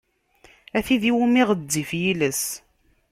A tid iwumi ɣezzif yiles!